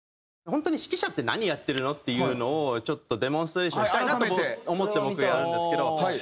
本当に指揮者って何やってるの？っていうのをデモンストレーションしたいなと思って僕やるんですけど。